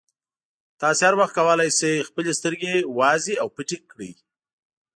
تاسې هر وخت کولای شئ خپلې سترګې وازې او پټې کړئ.